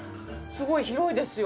すごい広いですよ。